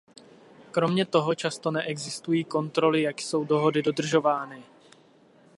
Kromě toho často neexistují kontroly, jak jsou dohody dodržovány.